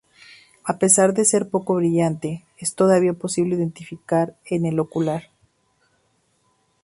A pesar de ser poco brillante, es todavía posible identificarla en el ocular.